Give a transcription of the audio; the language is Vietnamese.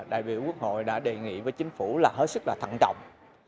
nên là đại biểu quốc hội đã đề nghị với chính phủ là hết sức là thận trọng